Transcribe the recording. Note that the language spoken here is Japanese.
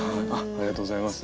ありがとうございます。